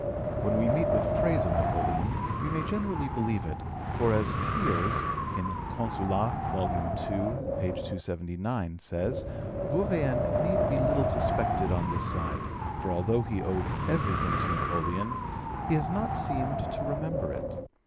When we meet with praise of Napoleon, we may generally believe it, for, as Thiers (Consulat., ii. 279) says, Bourrienne need be little suspected on this side, for although he owed everything to Napoleon, he has not seemed to remember it.